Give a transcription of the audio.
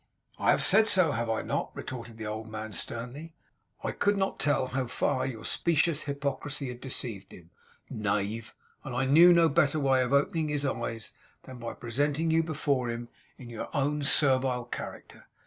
'I have said so, have I not?' retorted the old man, sternly. 'I could not tell how far your specious hypocrisy had deceived him, knave; and knew no better way of opening his eyes than by presenting you before him in your own servile character.